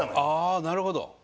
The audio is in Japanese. ああなるほど。